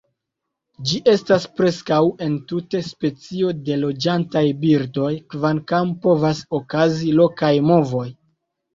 Ĝi estas preskaŭ entute specio de loĝantaj birdoj, kvankam povas okazi lokaj movoj.